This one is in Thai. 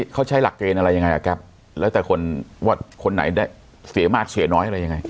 เขาใช้หลักเกณฑ์อะไรยังไงอ่ะแก๊ปแล้วแต่คนว่าคนไหนได้เสียมากเสียน้อยอะไรยังไง